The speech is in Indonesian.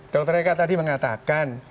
dokter eka tadi mengatakan